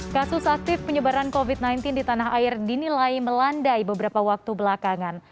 kasus aktif penyebaran covid sembilan belas di tanah air dinilai melandai beberapa waktu belakangan